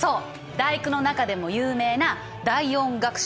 「第９」の中でも有名な第４楽章